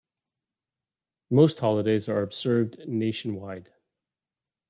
Most holidays are observed nationwide.